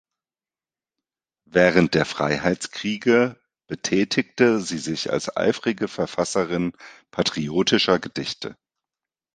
Während der Freiheitskriege betätigte sie sich als eifrige Verfasserin patriotischer Gedichte.